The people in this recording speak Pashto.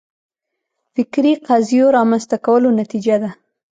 فکري قضیو رامنځته کولو نتیجه ده